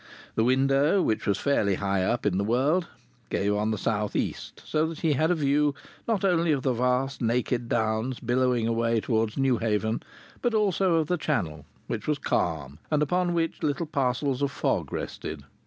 The window, which was fairly high up in the world, gave on the south east, so that he had a view, not only of the vast naked downs billowing away towards Newhaven, but also of the Channel, which was calm, and upon which little parcels of fog rested.